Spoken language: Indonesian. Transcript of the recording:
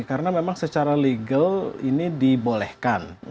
karena memang secara legal ini dibolehkan